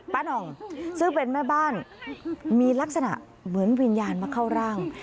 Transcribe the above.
หน่องซึ่งเป็นแม่บ้านมีลักษณะเหมือนวิญญาณมาเข้าร่าง